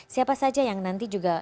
siapa saja yang nanti juga